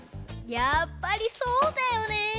やっぱりそうだよね。